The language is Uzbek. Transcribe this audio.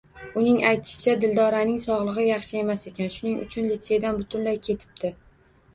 Uning aytishicha, Dildoraning sogʻligi yaxshi emas ekan, shuning uchun litseydan butunlay ketibdi.